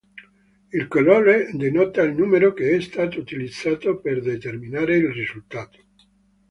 Il colore denota il numero che è stato utilizzato per determinare il risultato.